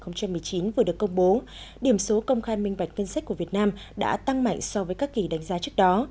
năm hai nghìn một mươi chín vừa được công bố điểm số công khai minh vạch ngân sách của việt nam đã tăng mạnh so với các kỳ đánh giá trước đó